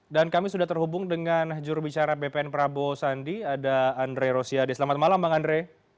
dan kami sudah terhubung dengan jurubicara bpn prabowo sandi ada andre rosyadi selamat malam bang andre